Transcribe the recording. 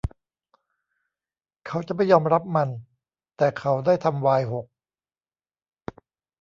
เขาจะไม่ยอมรับมัน แต่เขาได้ทำไวน์หก